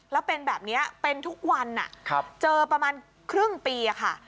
แล้วเป็นแบบเนี้ยเป็นทุกวันอ่ะครับเจอประมาณครึ่งปีอ่ะค่ะ